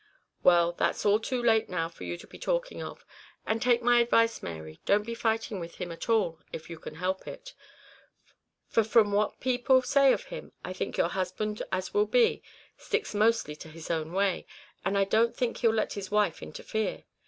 "Well, that's all too late now for you to be talking of; and take my advice, Mary, don't be fighting with him at all if you can help it; for from what people say of him I think your husband, as will be, sticks mostly to his own way, and I don't think he'll let his wife interfere.